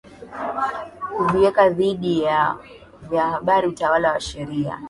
kuviweka dhidi ya vyombo vya habari utawala wa sheria